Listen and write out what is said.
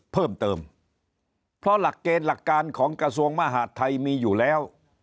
เพิ่มเติมเพราะหลักเกณฑ์หลักการของกระทรวงมหาดไทยมีอยู่แล้ว